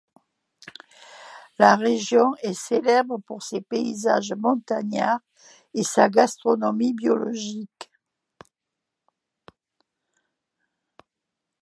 La région est célèbre pour ses paysages montagnards et sa gastronomie biologique.